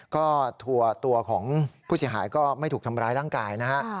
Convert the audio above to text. ก็ตัวของผู้เสียหายก็ไม่ถูกทำร้ายร่างกายนะฮะ